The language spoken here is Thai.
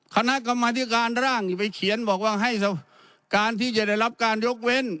คณะกรรมธิการร่างไปเขียนบอกว่าให้การที่จะได้รับการยกเว้น